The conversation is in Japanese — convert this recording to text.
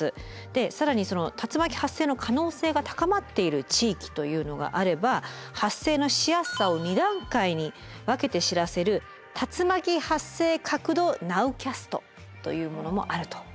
で更にその竜巻発生の可能性が高まっている地域というのがあれば発生のしやすさを２段階に分けて知らせる竜巻発生確度ナウキャストというものもあると。